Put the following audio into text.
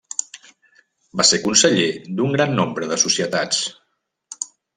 Va ser conseller d'un gran nombre de societats.